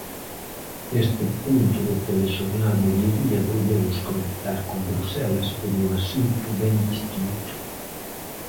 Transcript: Neste punto do Telexornal Mediodía volvemos conectar con Bruxelas por un asunto ben distinto.